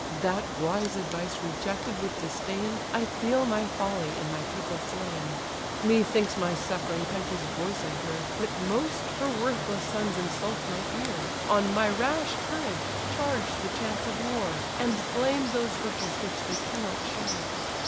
That wise advice rejected with disdain, I feel my folly in my people slain. Methinks my suffering country's voice I hear, But most her worthless sons insult my ear, On my rash courage charge the chance of war, And blame those virtues which they cannot share.